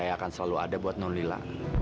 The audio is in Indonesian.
tapi apa yang terjadi kalau ada buat nonila